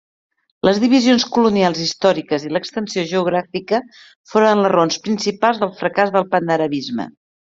Les divisions colonials històriques i l'extensió geogràfica foren les raons principals del fracàs del panarabisme.